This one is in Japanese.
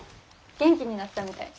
元気になったみたい。